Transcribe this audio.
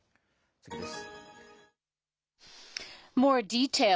次です。